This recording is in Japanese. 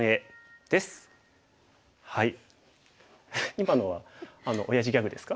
今のはおやじギャグですか？